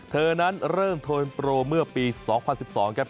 เธอนั้นเริ่มโทนโปรเมื่อปี๒๐๑๒ครับ